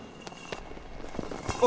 あ！